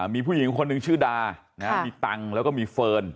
มีผู้หญิงคนหนึ่งชื่อดามีตังค์แล้วก็มีเฟิร์น